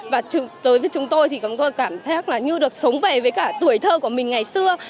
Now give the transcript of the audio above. và tới với chúng tôi thì chúng tôi cảm giác là như được sống về với cả tuổi thơ của mình ngày xưa